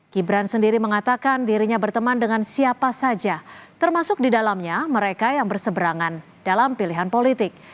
gibran sendiri mengatakan dirinya berteman dengan siapa saja termasuk di dalamnya mereka yang berseberangan dalam pilihan politik